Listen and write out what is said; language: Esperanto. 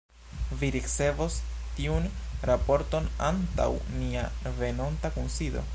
Vi ricevos tiun raporton antaŭ nia venonta kunsido.